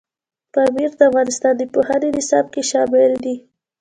پامیر د افغانستان د پوهنې نصاب کې شامل دي.